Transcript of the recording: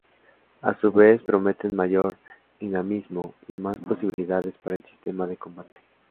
A su vez, prometen mayor dinamismo y más posibilidades para el sistema de combate.